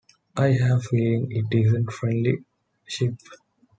I have a feeling it isn’t a friendly ship.